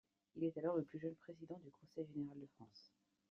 Il est alors le plus jeune Président de Conseil Général de France.